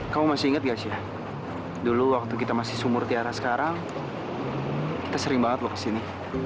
kamu masih inget ya dulu waktu kita masih sumur tiara sekarang sering banget lo kesini